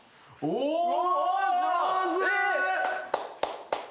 うお上手！